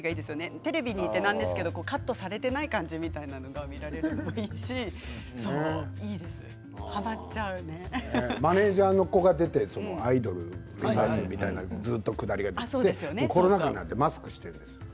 テレビにいてなんですけどカットされていない感じが見られるのもいいしマネージャーの方が出て、アイドルを目指すみたいなくだりがずっとあってコロナ禍なのでマスクしているんですよ。